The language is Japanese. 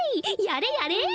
やれやれ！